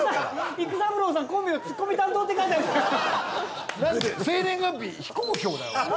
育三郎さんコンビのツッコミ担当って書いてある生年月日非公表だよ